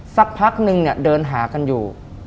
สักพักหนึ่งเดินหากันอยู่